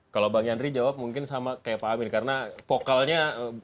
kalau bang yandri jawab mungkin sama kayak pak amin karena vokalnya